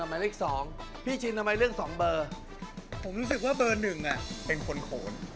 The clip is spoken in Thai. เอาและยังไม่รู้ว่าใครเป็นใคร